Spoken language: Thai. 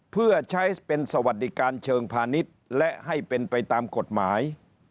เพื่อใช้เป็นสวัสดิการเชิงพาณิชย์และให้เป็นไปตามกฎหมาย